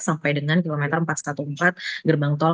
sampai dengan kilometer empat ratus empat belas gerbang tol